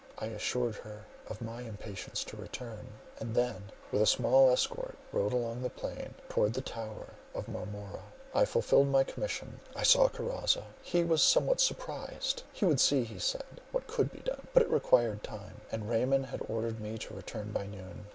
I assured her of my impatience to return, and then, with a small escort rode along the plain towards the tower of Marmora. I fulfilled my commission; I saw Karazza. He was somewhat surprised; he would see, he said, what could be done; but it required time; and Raymond had ordered me to return by noon.